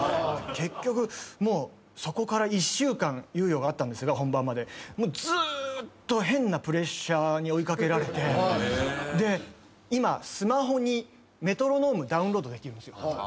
結局そこから１週間猶予があったんですけど本番までずっと変なプレッシャーに追い掛けられてで今スマホにメトロノームダウンロードできるんですよ。